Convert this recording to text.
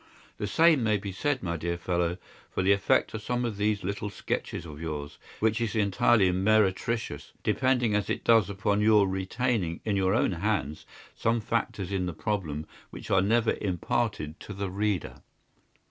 The same may be said, my dear fellow, for the effect of some of these little sketches of yours, which is entirely meretricious, depending as it does upon your retaining in your own hands some factors in the problem which are never imparted to the reader.